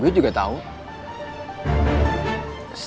gue juga tau kok